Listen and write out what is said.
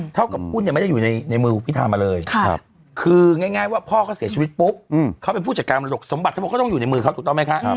เท่ากับหุ้นเนี่ยไม่ได้อยู่ในมือพิธามาเลยคือง่ายว่าพ่อเขาเสียชีวิตปุ๊บเขาเป็นผู้จัดการมรดกสมบัติทั้งหมดก็ต้องอยู่ในมือเขาถูกต้องไหมคะ